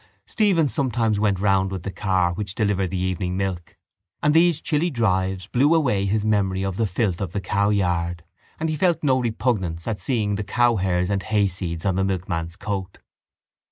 Stephen sometimes went round with the car which delivered the evening milk: and these chilly drives blew away his memory of the filth of the cowyard and he felt no repugnance at seeing the cow hairs and hayseeds on the milkman's coat.